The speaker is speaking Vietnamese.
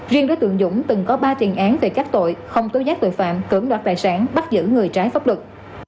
riêng đối tượng dũng từng có ba tiền án về các tội không tố giác tội phạm cưỡng đoạt tài sản bắt giữ người trái pháp luật